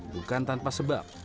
bukan tanpa sebab